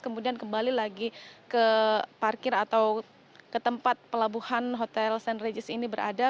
kemudian kembali lagi ke parkir atau ke tempat pelabuhan hotel st regis ini berada